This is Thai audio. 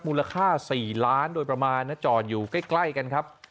มูลค่า๔ล้านโดยประมาณนะจอดอยู่ใกล้กันครับ